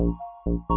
mel udah ngamu